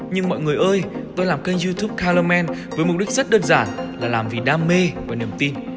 nhưng mọi người ơi tôi làm kênh youtube kaluman với mục đích rất đơn giản là làm vì đam mê và niềm tin